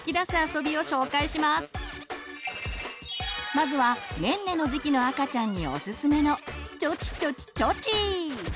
まずはねんねの時期の赤ちゃんにおすすめの「ちょちちょちちょち